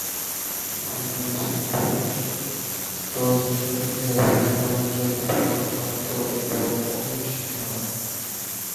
আমিনুল ইসলাম পরিচালিত চলচ্চিত্রটিতে অভিনয় করেন জ্যোতিপ্রকাশ দত্ত এবং অজয় সিংহরায়।